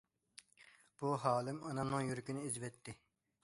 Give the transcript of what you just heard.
بۇ ھالىم ئانامنىڭ يۈرىكىنى ئېزىۋەتتى.